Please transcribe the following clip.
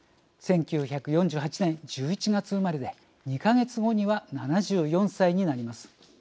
１９４８年１１月生まれで２か月後には７４歳になります。